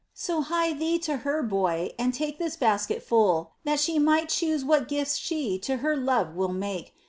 So hie thee to her, boy, and take This basket full, that she may choose What gifts she to her Love will make.